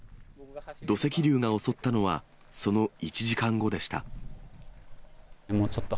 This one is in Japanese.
土石流が襲ったのは、その１時間後でした。